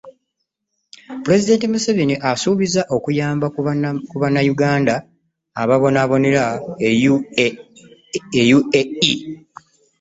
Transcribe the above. Pulezidenti Museveni asuubizza okuyamba ku bannayuganda ababonaabonera e UAE